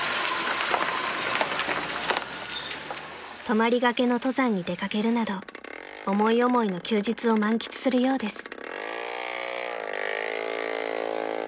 ［泊まりがけの登山に出掛けるなど思い思いの休日を満喫するようです］